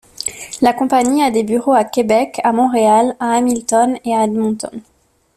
La compagnie a des bureaux à Québec, à Montréal, à Hamilton et à Edmonton.